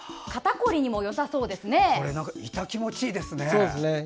これ気持ちいいですね。